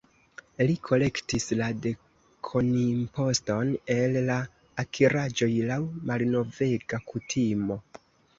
Li kolektis la dekonimposton el la akiraĵoj, laŭ malnovega kutimo.